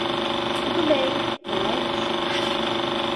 Tudo bem, não é isso.